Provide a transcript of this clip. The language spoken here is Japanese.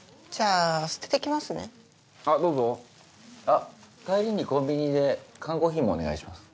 あっ帰りにコンビニで缶コーヒーもお願いします。